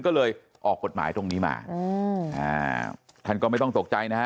ก็เลยออกกฎหมายตรงนี้มาท่านก็ไม่ต้องตกใจนะฮะ